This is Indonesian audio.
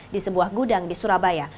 di sebuah gudang di surabaya